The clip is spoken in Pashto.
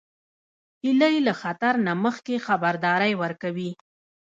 هیلۍ له خطر نه مخکې خبرداری ورکوي